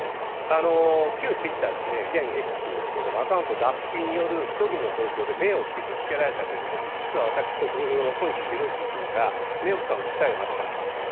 旧ツイッターですね、現Ｘですけれども、アカウント、Ｄａｐｐｉによる虚偽の投稿で名誉を傷つけられたということで、実は、私と同僚の小西洋之議員が、名誉棄損で訴えました。